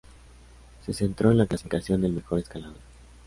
Se centró en la clasificación del mejor escalador.